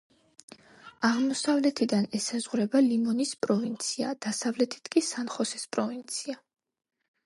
აღმოსავლეთიდან ესაზღვრება ლიმონის პროვინცია, დასავლეთით კი სან-ხოსეს პროვინცია.